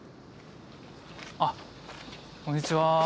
あこんにちは。